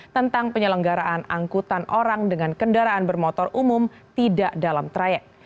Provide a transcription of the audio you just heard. tentang penyelenggaraan angkutan orang dengan kendaraan bermotor umum tidak dalam trayek